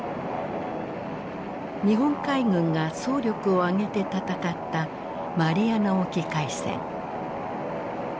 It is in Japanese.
日本海軍が総力を挙げて戦ったマリアナ沖海戦。